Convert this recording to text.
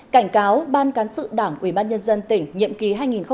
cảnh cáo ban cán sự đảng ủy ban nhân dân tỉnh nhiệm kỳ hai nghìn một mươi sáu hai nghìn một mươi một